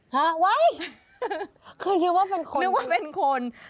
ฮะไว้คือนึกว่าเป็นคนนึกว่าเป็นคน